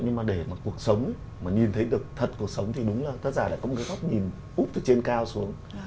nhưng mà để mà cuộc sống mà nhìn thấy được thật cuộc sống thì đúng là tác giả lại có một cái góc nhìn úp từ trên cao xuống